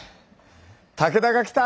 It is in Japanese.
武田が来た！